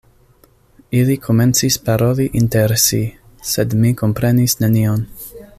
Ili komencis paroli inter si, sed mi komprenis nenion.